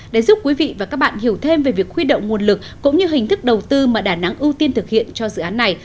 để giúp quý vị và các bạn hiểu thêm về việc khuy động nguồn lực cũng như hình thức đầu tư mà đà nẵng ưu tiên thực hiện cho dự án này